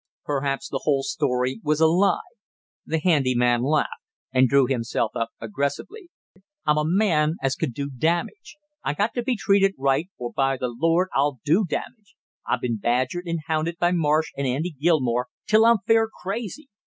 "Perhaps the whole story was a lie." The handy man laughed and drew himself up aggressively. "I'm a man as can do damage I got to be treated right, or by the Lord I'll do damage! I been badgered and hounded by Marsh and Andy Gilmore till I'm fair crazy.